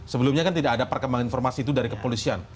sebelumnya kan tidak ada perkembangan informasi itu dari kepolisian